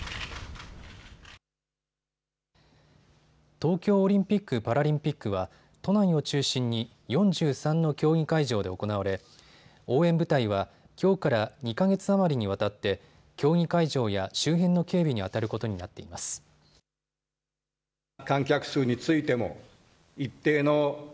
東京オリンピック・パラリンピックは都内を中心に４３の競技会場で行われ応援部隊は、きょうから２か月余りにわたって競技会場や周辺の警備にあたることになっています。